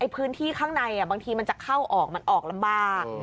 พื้นที่ข้างในบางทีมันจะเข้าออกมันออกลำบาก